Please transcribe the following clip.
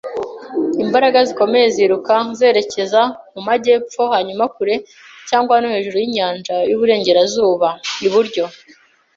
imbaraga zikomeye ziruka zerekeza mu majyepfo, hanyuma kure cyangwa no hejuru yinyanja yuburengerazuba. Iburyo